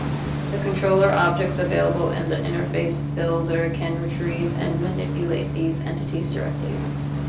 The controller objects available in Interface Builder can retrieve and manipulate these entities directly.